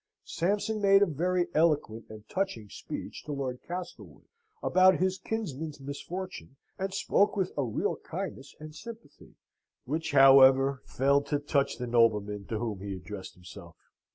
Sampson made a very eloquent and touching speech to Lord Castlewood about his kinsman's misfortune, and spoke with a real kindness and sympathy, which, however, failed to touch the nobleman to whom he addressed himself.